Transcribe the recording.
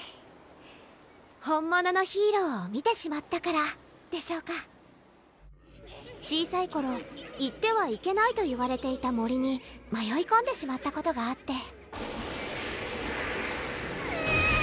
本物のヒーローを見てしまったからでしょうか小さい頃行ってはいけないといわれていた森にまよいこんでしまったことがあってエン！